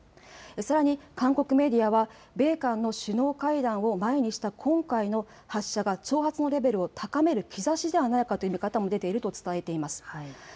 さらに韓国メディアは米韓の首脳会談を前にした今回の発射が挑発のレベルを高める兆しではないかという見方も出ていると伝えています。